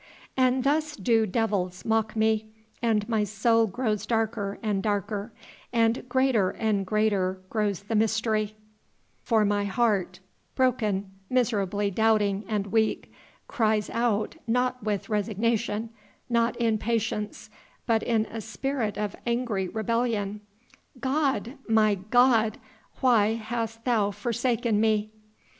And thus do devils mock me, and my soul grows darker and darker and greater and greater grows the mystery, for my heart, broken, miserably doubting and weak, cries out not with resignation, not in patience, but in a spirit of angry rebellion: 'God, my God! why hast thou forsaken me?'"